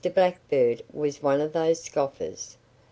Blackbird was one of these scoffers.